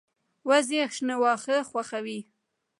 وزې شنه واښه خوښوي